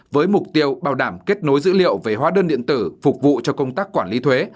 với mục tiêu bảo đảm kết nối dữ liệu về hóa đơn điện tử phục vụ cho công tác quản lý thuế